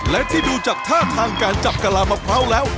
และที่ดูจากท่าทางการจับกะลามะพร้าวแล้ว